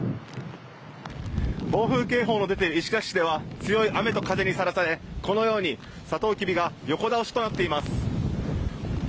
暴風警報の出ている石垣市では強い雨と風にさらされこのようにサトウキビが横倒しとなっています。